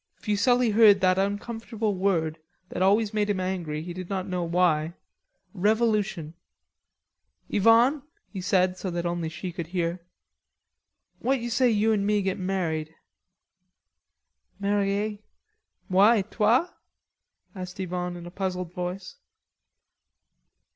Fuselli heard that uncomfortable word that always made him angry, he did not know why, "Revolution." "Yvonne," he said so that only she could hear, "what you say you and me get married?" "Marries.... moi et toi?" asked Yvonne in a puzzled voice.